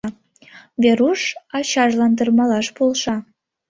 Веруш ачажлан тырмалаш полша.